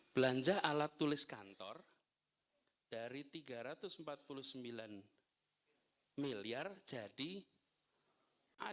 belanja alat tulis kantor dari tiga ratus empat puluh sembilan miliar jadi ada